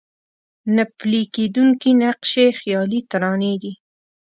نه پلي کېدونکي نقشې خيالي ترانې دي.